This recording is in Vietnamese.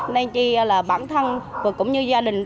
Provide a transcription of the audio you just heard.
nên thì là bản thân cũng như gia đình